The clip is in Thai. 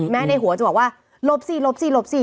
แม้ในหัวจะบอกว่าลบสิลบสิลบสิ